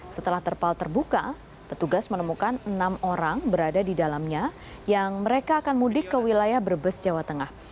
setelah terpal terbuka petugas menemukan enam orang berada di dalamnya yang mereka akan mudik ke wilayah brebes jawa tengah